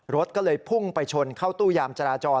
รถก็เลยพุ่งไปชนเข้าตู้ยามจราจร